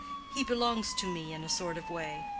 —he belongs to me in a sort of way.